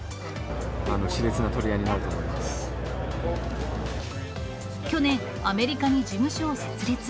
しれつな取り合いになると思去年、アメリカに事務所を設立。